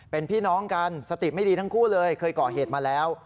เป็นพี่น้องกันสติไม่ดีทั้งคู่เลยเคยก่อเหตุมาแล้ว